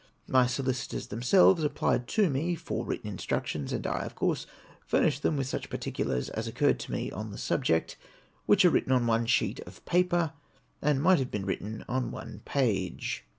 My solicitors themselves applied to me for written instructions, and I, of course, furnished them with such par ticulars as occurred to me on the subject, which are written on one sheet of paper, and might have been written on one page.